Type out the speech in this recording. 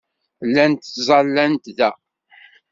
Llant ttẓallant da.